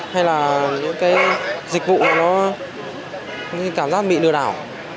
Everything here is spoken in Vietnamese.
hay là những dịch vụ cảm giác bị đưa đảo